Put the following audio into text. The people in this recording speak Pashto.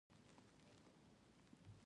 په ځوانانو کې باید ملي روحي ته وده ورکړل شي